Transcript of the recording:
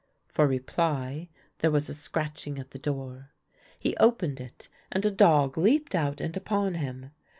For reply there was a scratching at the door. He opened it, and a dog leaped out and upon him.